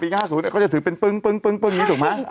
ปีห้าศูนย์เนี้ยเขาจะถือเป็นปึ้งปึ้งปึ้งปึ้งอย่างเงี้ยถูกไหมใช่